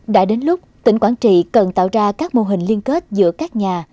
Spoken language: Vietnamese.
đã đến lúc tỉnh quảng trị cần tạo ra các mô hình liên kết giữa các nhà